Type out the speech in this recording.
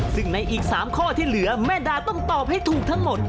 ซึ่งในอีก๓ข้อที่เหลือแม่ดาต้องตอบให้ถูกทั้งหมด